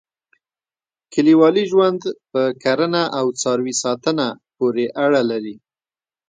کلیوالي ژوند په کرنه او څاروي ساتنه پورې اړه لري.